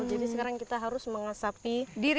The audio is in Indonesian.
jadi sekarang kita harus menghasapi diri